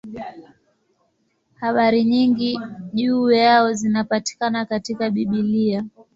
Habari nyingi juu yao zinapatikana katika Biblia.